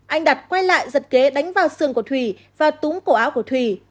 anh đạt quay lại giật ghế đánh vào xương của thủy và túng cổ áo của thủy